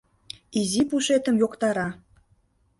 Изи пушетым йоктара...